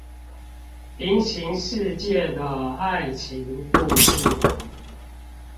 平行世界的愛情故事